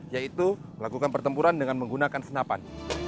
yaitu melakukan pertempuran dengan menggunakan senapan